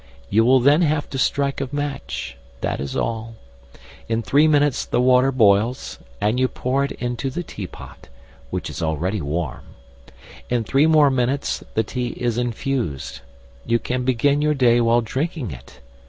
You will then have to strike a match that is all. In three minutes the water boils, and you pour it into the teapot (which is already warm). In three more minutes the tea is infused. You can begin your day while drinking it.